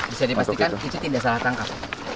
bisa dipastikan itu tidak salah tangkap